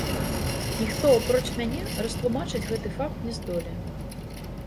Ніхто апроч мяне растлумачыць гэты факт не здолее.